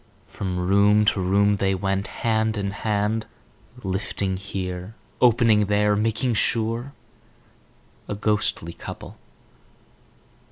From room to room they went, hand in hand, lifting here, opening there, making sure—a ghostly couple.